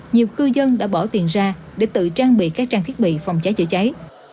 nhiều cư dân đã bỏ tiền ra để tự trang bị các trang thiết bị phòng cháy chữa cháy